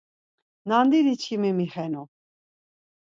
Nandidi çkimi mixvenu.